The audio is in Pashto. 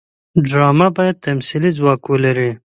ډرامه باید تمثیلي ځواک ولري